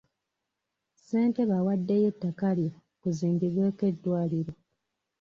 Ssentebe awaddeyo ettaka lye kuzimbibweko eddwaliro.